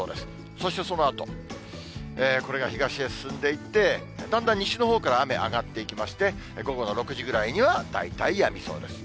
そしてそのあと、これが東へ進んでいって、だんだん西のほうから雨上がっていきまして、午後の６時ぐらいには大体やみそうです。